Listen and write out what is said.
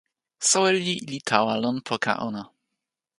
soweli li tawa lon poka ona.